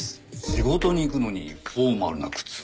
仕事に行くのにフォーマルな靴？